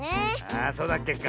ああそうだっけか。